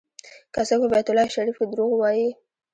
که څوک په بیت الله شریف کې دروغ ووایي.